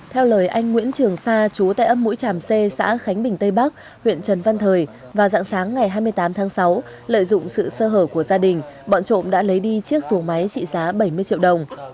theo lời anh nguyễn trường sa chú tại ấp mũi tràm c xã khánh bình tây bắc huyện trần văn thời vào dạng sáng ngày hai mươi tám tháng sáu lợi dụng sự sơ hở của gia đình bọn trộm đã lấy đi chiếc xuồng máy trị giá bảy mươi triệu đồng